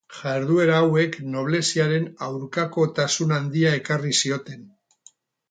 Jarduera hauek nobleziaren aurkakotasun handia ekarri zioten.